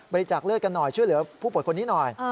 จากเลือดกันหน่อยช่วยเหลือผู้ป่วยคนนี้หน่อย